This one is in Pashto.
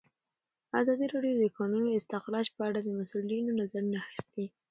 ازادي راډیو د د کانونو استخراج په اړه د مسؤلینو نظرونه اخیستي.